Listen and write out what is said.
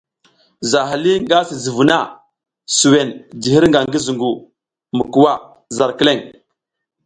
Zaha lih nga si zǝgwi na zuwen ji hirnga ngi zungu mi kuwa zar kileŋ.